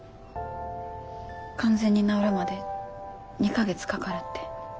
完全に治るまで２か月かかるって。